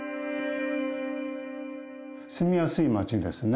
住みやすい街ですね。